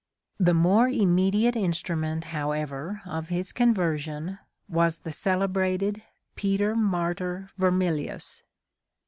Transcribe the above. The more immediate instrument, how ever, of his conversion, was the celebrated Peter Martyr Vermilius.